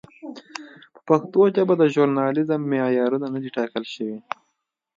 په پښتو ژبه د ژورنالېزم معیارونه نه دي ټاکل شوي.